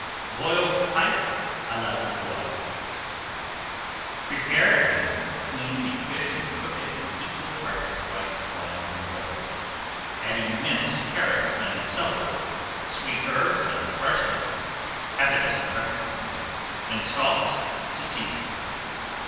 BOILED PIKE À LA DUBOIS Prepare and clean the fish and cook it in equal parts of white wine and water, adding minced carrots and celery, sweet herbs and parsley, half a dozen pepper corns, and salt to season.